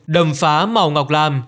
đầm phá màu ngọc lam